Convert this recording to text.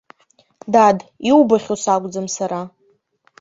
Дад, иубахьоу сакәӡам сара.